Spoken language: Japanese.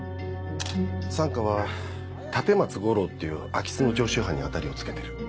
三課は立松五郎っていう空き巣の常習犯に当たりを付けてる。